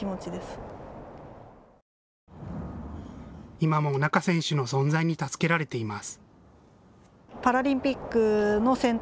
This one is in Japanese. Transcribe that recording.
今も仲選手の存在に助けられています。